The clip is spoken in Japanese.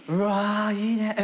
うわいいね。